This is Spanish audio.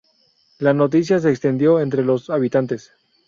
La noticia se extendió entre los habitantes.